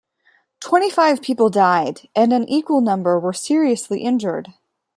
Twenty-five people died, and an equal number were seriously injured.